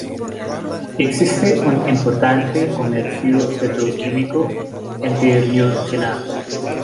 Existe un importante comercio petroquímico interregional.